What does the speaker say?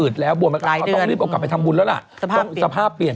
เตอร์ย่างย่าไปรับศพเนี่ย